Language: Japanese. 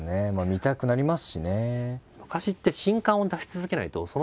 見たくなりますしね。